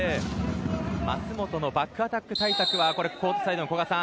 舛本のバックアタック対策はコートサイドの古賀さん